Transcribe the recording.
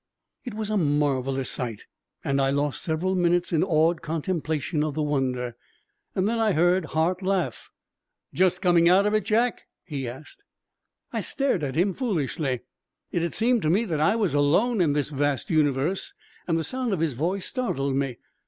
It was a marvelous sight and I lost several minutes in awed contemplation of the wonder. Then I heard Hart laugh. "Just coming out of it, Jack?" he asked. I stared at him foolishly. It had seemed to me that I was alone in this vast universe, and the sound of his voice startled me.